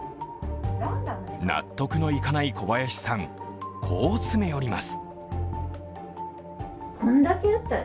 納得のいかない小林さん、こう詰め寄ります。